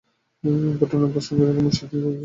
ঘটনার সঙ্গে মোট সাতজন জড়িত ছিলেন।